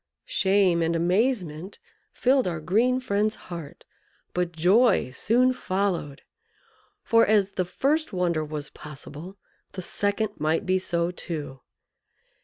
Shame and amazement filled our green friend's heart, but joy soon followed; for, as the first wonder was possible, the second might be so too.